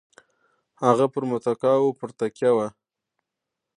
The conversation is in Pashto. هغه پر متکاوو پر تکیه وه.